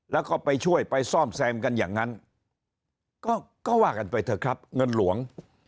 แล้วก็ไปช่วยไปซ่อมแซมกันอย่างนั้นก็ว่ากันไปเถอะครับเงินหลวง